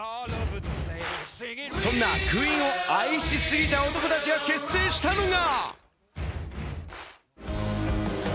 そんなクイーンを愛しすぎた男たちが結成したのが。